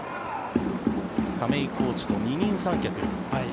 亀井コーチと二人三脚。